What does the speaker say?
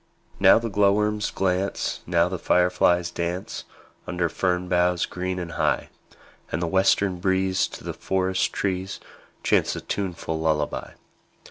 Now the glowworms glance, Now the fireflies dance, Under fern boughs green and high; And the western breeze To the forest trees Chants a tuneful lullaby.